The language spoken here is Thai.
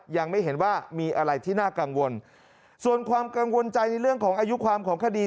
ยังไม่เห็นว่ามีอะไรที่น่ากังวลส่วนความกังวลใจในเรื่องของอายุความของคดี